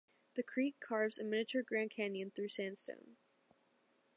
The creek carves a miniature "Grand Canyon" through sandstone.